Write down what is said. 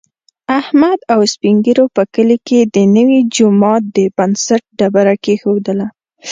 احمد او سپین ږېرو په کلي کې د نوي جوما د بنسټ ډبره کېښودله.